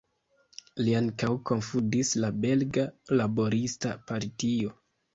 Li ankaŭ kunfondis la Belga Laborista Partio.